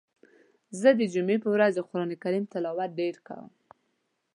زه د جمعی په ورځ د قرآن کریم تلاوت ډیر کوم.